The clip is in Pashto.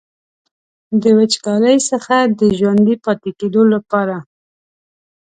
د وچکالۍ څخه د ژوندي پاتې کیدو لپاره.